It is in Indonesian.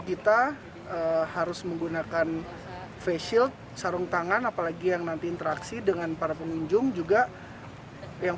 kita harus menggunakan face shield sarung tangan apalagi yang nanti interaksi dengan para pengunjung juga yang